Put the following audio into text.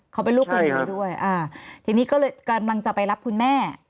เขาเป็นลูกคนเดียวด้วยอ่าทีนี้ก็เลยกำลังจะไปรับคุณแม่